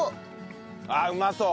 あっうまそう。